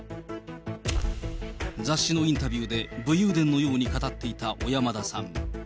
雑誌のインタビューで武勇伝のように語っていた小山田さん。